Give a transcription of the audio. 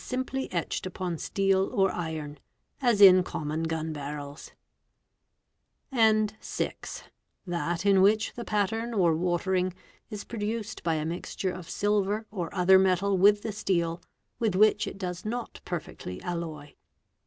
3 simply etched upon steel or iron," as in common gun barrels; " and (6) that in which the pattern or watering is produced by a mixture of silver or other metal with the steel, with which it does not perfectly alloy."